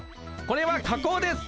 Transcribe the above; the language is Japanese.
これは加工です。